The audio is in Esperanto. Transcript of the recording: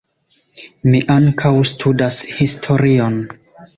Mi ankaŭ studas historion.